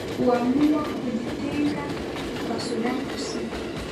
kuamua kujitenga kwa sudan kusini